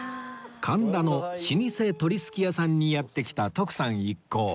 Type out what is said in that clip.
神田の老舗鳥すき屋さんにやって来た徳さん一行